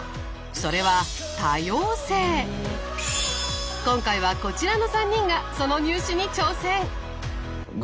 それは今回はこちらの３人がその入試に挑戦！